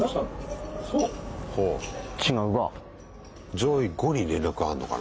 上位５に連絡あんのかな？